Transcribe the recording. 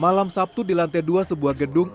malam sabtu di lantai dua sebuah gedung